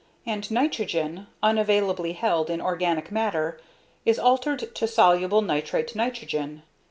And nitrogen, unavailably held in organic matter, is altered to soluble nitrate nitrogen.